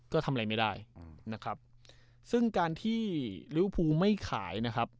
ก็ทำอะไรไม่ได้นะครับซึ่งการที่ลิวภูไม่ขายนะครับ